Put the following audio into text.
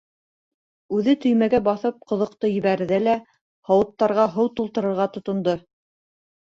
Үҙе төймәгә баҫып ҡоҙоҡто «ебәрҙе» лә, һауыттарға һыу тултырырға тотондо.